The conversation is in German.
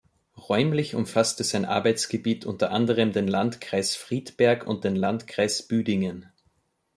Räumlich umfasste sein Arbeitsgebiet unter anderem den Landkreis Friedberg und den Landkreis Büdingen.